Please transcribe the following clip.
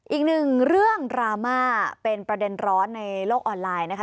อีกหนึ่งเรื่องดราม่าเป็นประเด็นร้อนในโลกออนไลน์นะคะ